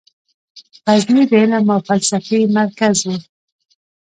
غزني د علم او فلسفې مرکز و.